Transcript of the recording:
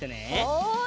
はい。